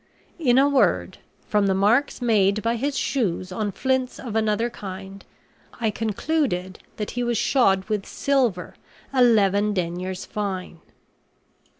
In a word, from the marks made by his shoes on flints of another kind, I concluded that he was shod with silver eleven deniers fine."